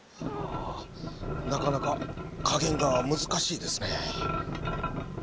なかなか加減が難しいですね。